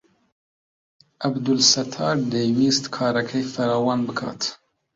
عەبدولستار دەیویست کارەکەی فراوان بکات.